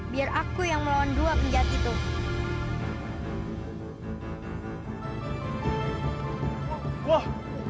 biar aku yang melawan dua genjati tuh